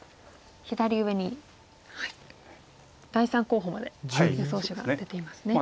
左上に第３候補まで予想手が出ていますね。